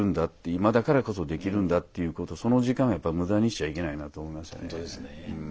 今だからこそできるんだということその時間をやっぱり無駄にしちゃいけないなと思いましたね。